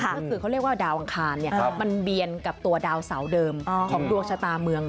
ก็คือเขาเรียกว่าดาวอังคารมันเบียนกับตัวดาวเสาเดิมของดวงชะตาเมือง